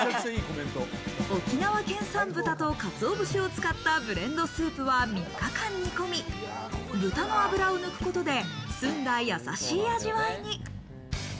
沖縄県産豚と鰹節を使ったブレンドスープは３日間煮込み、豚の脂を抜くことで澄んだやさしい味わいに。